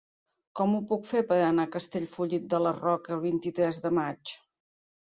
Com ho puc fer per anar a Castellfollit de la Roca el vint-i-tres de maig?